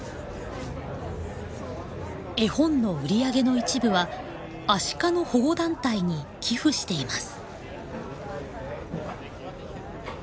絵本の売り上げの一部はアシカの保護団体に寄付しています。